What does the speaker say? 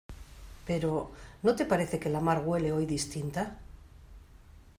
pero ¿ no te parece que la mar huele hoy distinta?